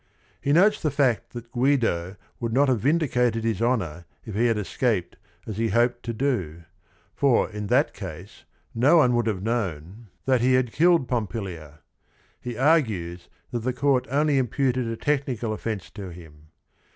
He notes the fact that Guido would not have vindicated his honor if he had escaped as he had hoped to do: for in that case no one would have known CAPONSACCHI 93 that he had killed Pompilia. He argues that the court only imputed a technical offence to him.